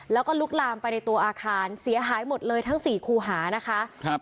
แล้วก็ลุกลามไปในตัวอาคารเสียหายหมดเลยทั้งสี่คูหานะคะครับ